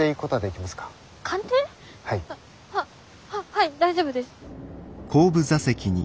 ははい大丈夫です。